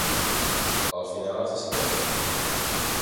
Al final es decideix.